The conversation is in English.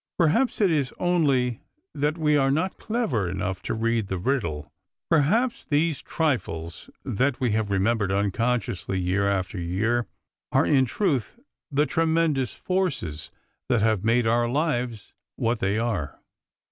Perhaps it is only that we are not clever enough to read the riddle ; perhaps these trifles that we have remembered unconsciously year after year are in truth the tremendous forces that have made our lives what they are.